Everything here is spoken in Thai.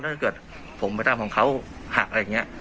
ถ้าเกิดผมไปทำของเขาหักอะไรอย่างนี้